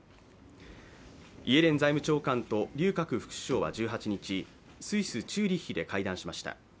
イエレン財務長官と劉鶴副首相は１８日、スイス・チューリッヒで会談しました。